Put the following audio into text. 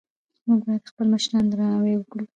موږ باید د خپلو مشرانو درناوی وکړو